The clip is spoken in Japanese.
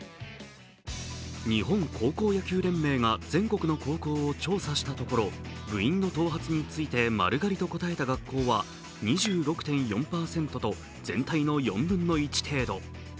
日本高校野球連盟が全国の高校を調査したところ部員の頭髪について、丸刈りと答えた学校は２６．４％と、全体の４分の１程度。